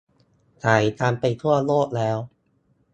ขายกันไปทั่วโลกแล้ว